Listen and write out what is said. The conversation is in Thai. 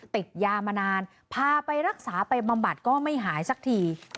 ติดยามานานพาไปรักษาไปบำบัดก็ไม่หายสักที